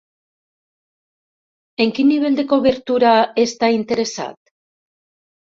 En quin nivell de cobertura està interessat?